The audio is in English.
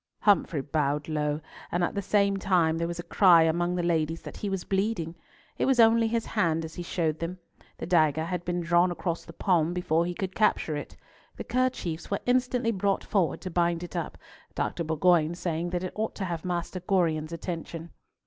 Humfrey bowed low, and at the same time there was a cry among the ladies that he was bleeding. It was only his hand, as he showed them. The dagger had been drawn across the palm before he could capture it. The kerchiefs were instantly brought forward to bind it up, Dr. Bourgoin saying that it ought to have Master Gorion's attention.